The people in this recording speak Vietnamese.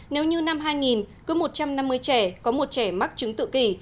nếu như năm hai nghìn cứ một trăm năm mươi trẻ có một trẻ mắc chứng tự kỷ